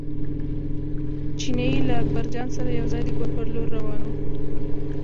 چیني له اکبرجان سره یو ځای د کور پر لور روان و.